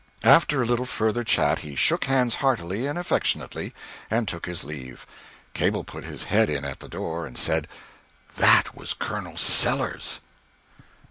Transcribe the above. After a little further chat he shook hands heartily and affectionately, and took his leave. Cable put his head in at the door, and said "That was Colonel Sellers."